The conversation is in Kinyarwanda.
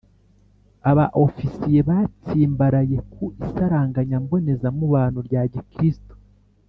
aba ofisiye batsimbaraye ku isaranganya mbonezamubano rya gikristu